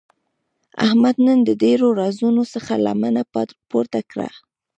احمد نن د ډېرو رازونو څخه لمنه پورته کړه.